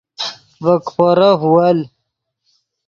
ڤے کیپورف ول